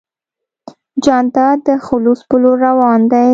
جانداد د خلوص په لور روان دی.